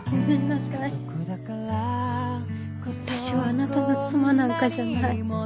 私はあなたの妻なんかじゃない。